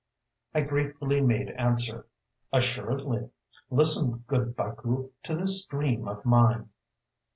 I gratefully made answer: "Assuredly!... Listen, good Baku, to this dream of mine!